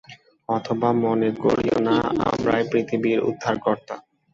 অতএব মনে করিও না, আমরাই পৃথিবীর উদ্ধারকর্তা।